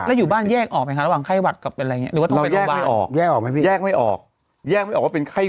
แล้วอยู่บ้านแยกออกไหมคะระหว่างไข้หวัดกับเป็นอะไรอย่างนี้